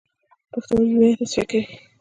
پښتورګي وینه تصفیه کوي